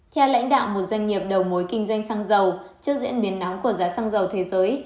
theo lãnh đạo một doanh nghiệp đầu mối kinh doanh xăng dầu trước diễn biến nóng của giá xăng dầu thế giới